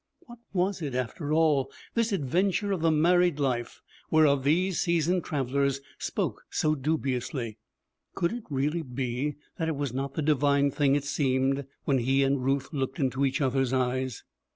What was it, after all, this adventure of the married life whereof these seasoned travelers spoke so dubiously? Could it really be that it was not the divine thing it seemed when he and Ruth looked into each other's eyes?